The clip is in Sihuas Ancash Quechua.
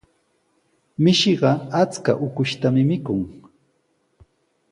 Mishiqa achka ukushtami mikun.